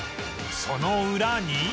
その裏に